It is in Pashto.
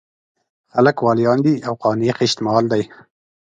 خلک واليان دي او قانع خېشت مال دی.